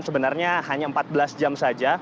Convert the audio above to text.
sebenarnya hanya empat belas jam saja